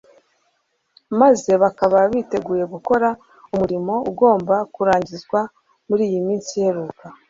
maze bakaba biteguye gukora umurimo ugomba kurangizwa muri iyi minsi iheruka